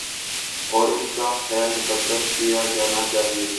اور ان کا خیر مقدم کیا جانا چاہیے۔